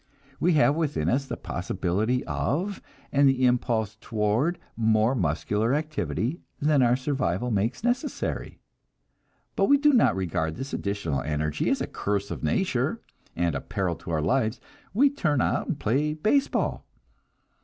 We have within us the possibility of and the impulse toward more muscular activity than our survival makes necessary; but we do not regard this additional energy as a curse of nature, and a peril to our lives we turn out and play baseball.